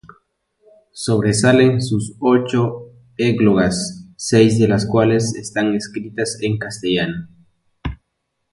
Sobresalen sus ocho "Églogas", seis de las cuales están escritas en castellano.